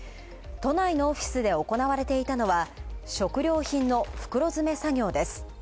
都内のオフィスで行われていたのは食料品の袋詰め作業です。